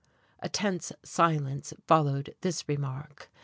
A tense silence followed this remark.